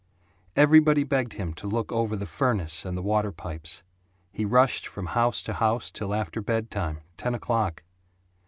Everybody begged him to look over the furnace and the water pipes. He rushed from house to house till after bedtime ten o'clock.